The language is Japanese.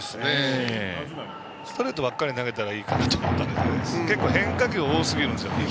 ストレートばかり投げたらいいかなと思ったんですけど変化球が多すぎるんですよ。